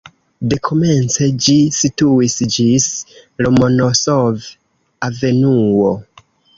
Dekomence ĝi situis ĝis Lomonosov-avenuo.